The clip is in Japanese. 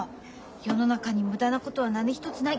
「世の中に無駄なことは何一つない。